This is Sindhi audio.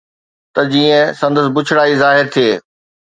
ته جيئن سندس بڇڙائي ظاهر ٿئي